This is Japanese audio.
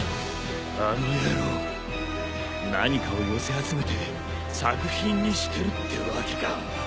あの野郎何かを寄せ集めて作品にしてるってわけか。